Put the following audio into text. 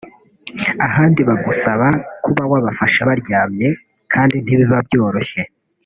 ahandi bagusaba kuba wabafashe baryamanye kandi ntibiba byoroshye